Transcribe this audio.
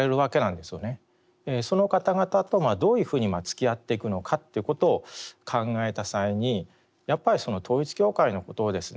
その方々とどういうふうにつきあっていくのかっていうことを考えた際にやっぱり統一教会のことをですね